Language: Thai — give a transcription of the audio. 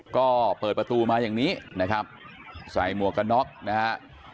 ก็เปิดประตูมาอย่างนี้นะครับใส่หมวกกันน็อกนะฮะ